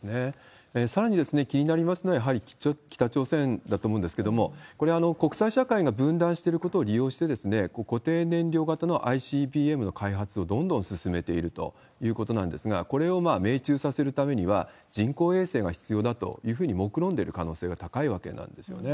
さらに気になりますのは、やはり北朝鮮だと思うんですけれども、これ、国際社会が分断してることを利用して、固定燃料型のＩＣＢＭの開発をどんどん進めているということなんですが、これを命中させるためには、人工衛星が必要だというふうにもくろんでる可能性が高いわけなんですよね。